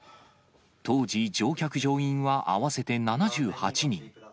当時、乗客・乗員は合わせて７８人。